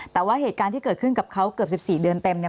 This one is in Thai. แต่ว่าเหตุการณ์ที่เกิดขึ้นกับเขาเกือบ๑๔เดือนเต็มเนี่ย